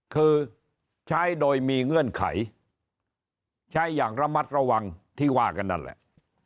คือใช้โดยมีเงื่อนไขใช้อย่างระมัดระวังที่ว่ากันนั่นแหละ